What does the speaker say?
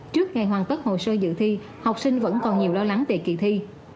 trước ngày hoàn tất hồ sơ dự thi học sinh vẫn còn nhiều lo lắng về kỳ thi